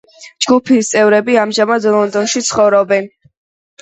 ჯგუფის წევრები ამჟამად ლონდონში ცხოვრობენ.